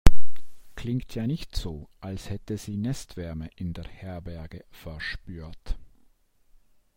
Klingt ja nicht so, als hätte sie Nestwärme in der Herberge verspürt.